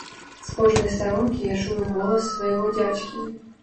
З кожнай старонкі я чую голас свайго дзядзькі.